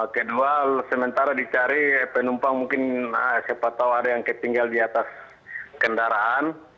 kedua sementara dicari penumpang mungkin siapa tahu ada yang ketinggal di atas kendaraan